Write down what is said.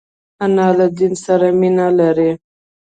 انا له دین سره مینه لري